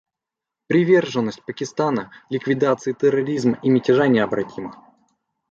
Приверженность Пакистана ликвидации терроризма и мятежа необратима.